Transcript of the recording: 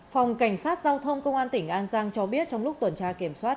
phòng cảnh sát giao thông công an tỉnh an giang cho biết trong lúc tuần tra kiểm soát